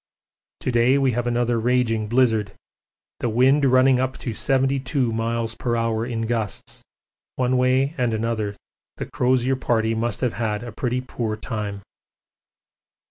To day we have another raging blizzard the wind running up to 72 m.p.h. in gusts one way and another the Crozier Party must have had a pretty poor time.